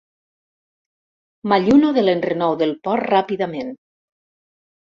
M'allunyo de l'enrenou del port ràpidament.